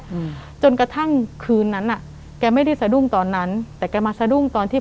อืมจนกระทั่งคืนนั้นอ่ะแกไม่ได้สะดุ้งตอนนั้นแต่แกมาสะดุ้งตอนที่